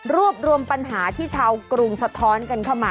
รวมปัญหาที่ชาวกรุงสะท้อนกันเข้ามา